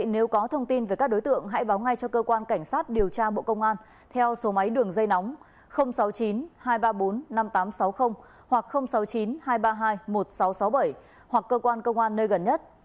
nếu có thông tin về các đối tượng hãy báo ngay cho cơ quan cảnh sát điều tra bộ công an theo số máy đường dây nóng sáu mươi chín hai trăm ba mươi bốn năm nghìn tám trăm sáu mươi hoặc sáu mươi chín hai trăm ba mươi hai một nghìn sáu trăm sáu mươi bảy hoặc cơ quan công an nơi gần nhất